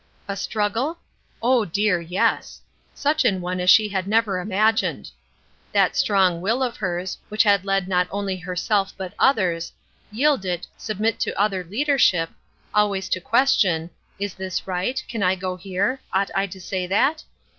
A struggle? Oh dear, yes! Such an one as she had never imagined. That strong will of hers, which had led not only herself but others, yield it, submit to other leadership, always to question: Is this right? can I go here? ought I to say that?